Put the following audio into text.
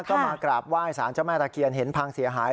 ก็มากราบไหว้สารเจ้าแม่ตะเคียนเห็นพังเสียหาย